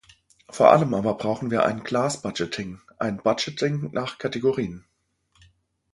Vor allem aber brauchen wir ein Class budgeting, ein Budgeting nach Kategorien.